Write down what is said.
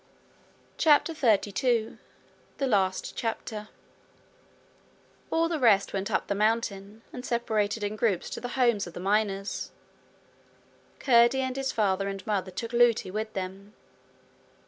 CHAPTER 32 The Last Chapter All the rest went up the mountain, and separated in groups to the homes of the miners. Curdie and his father and mother took Lootie with them.